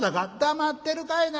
「黙ってるかいな。